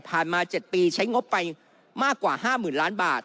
มา๗ปีใช้งบไปมากกว่า๕๐๐๐ล้านบาท